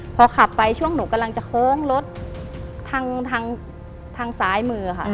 พอขับไปช่วงหนูกำลังจะโค้งรถทางซ้ายมือค่ะ